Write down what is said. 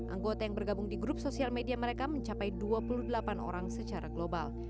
anggota yang bergabung di grup sosial media mereka mencapai dua puluh delapan orang secara global